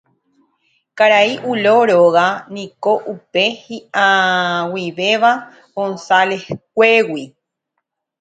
Karai Ulo róga niko upe hi'ag̃uivéva González-kuégui.